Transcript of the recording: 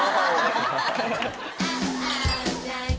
ハハハ！